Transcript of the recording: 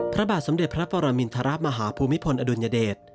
พระบาทสำเด็จพระพระมินทราบมหาภูมิพลอดุญเดช